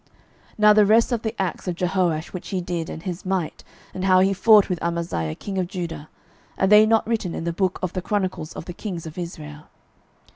12:014:015 Now the rest of the acts of Jehoash which he did, and his might, and how he fought with Amaziah king of Judah, are they not written in the book of the chronicles of the kings of Israel?